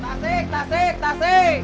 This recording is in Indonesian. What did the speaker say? tasik tasik tasik